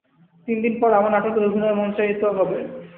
তিনদিন পর আমার নাটকের অভিনয় মঞ্চায়িতে হবে।